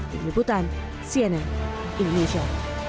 di hibutan cnn indonesia